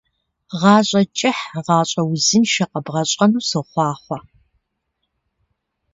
Гъащӏэ кӏыхь, гъащӏэ узыншэ къэбгъэщӏэну сохъуахъуэ.